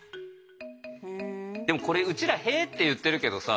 でもこれうちら「へ」って言ってるけどさ